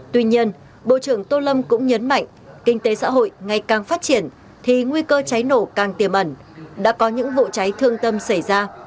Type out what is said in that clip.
tuy nhiên bộ trưởng tô lâm cũng nhấn mạnh kinh tế xã hội ngày càng phát triển thì nguy cơ cháy nổ càng tiềm ẩn đã có những vụ cháy thương tâm xảy ra